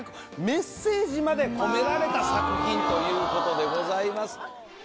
メッセージまで込められた作品ということでございます。